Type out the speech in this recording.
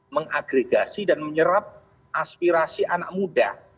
mengagregasi dan menyerap aspirasi anak muda